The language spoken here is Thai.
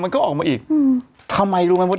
มันติดคุกออกไปออกมาได้สองเดือน